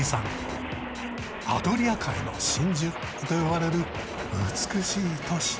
「アドリア海の真珠」と言われる美しい都市。